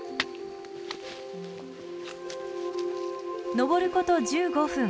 登ること１５分。